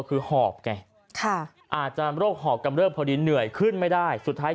คือหอบไงอาจจะโรคหอบกำเริบพอดีเหนื่อยขึ้นไม่ได้สุดท้าย